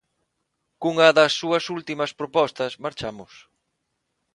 Cunha das súas últimas propostas, marchamos.